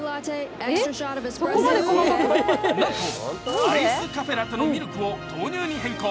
なんとアイスカフェラテのミルクを豆乳に変更。